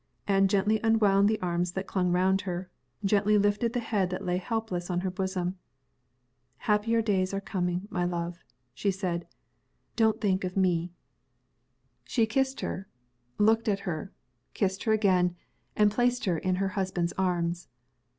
Anne gently unwound the arms that clung round her gently lifted the head that lay helpless on her bosom. "Happier days are coming, my love," she said. "Don't think of me." She kissed her looked at her kissed her again and placed her in her husband's arms.